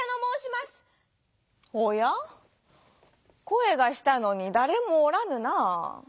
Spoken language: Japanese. こえがしたのにだれもおらぬなあ」。